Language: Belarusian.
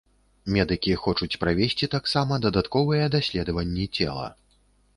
Медыкі хочуць правесці таксама дадатковыя даследаванні цела.